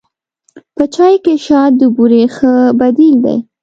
په چای کې شات د بوري ښه بدیل دی.